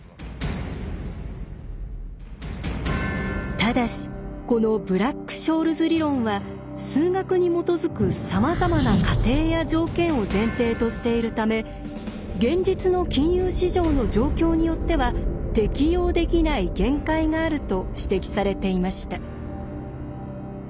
ただしこのブラック・ショールズ理論は数学に基づくさまざまな仮定や条件を前提としているため現実の金融市場の状況によっては適用できない限界があると指摘されていました。